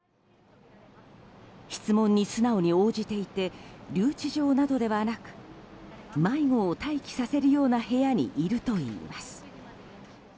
質問に素直に応じていて留置場などではなく迷子を待機させるような部屋にいるといいます。